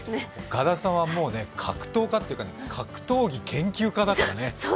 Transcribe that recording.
岡田さんはもう格闘家というか、格闘技研究家だからね。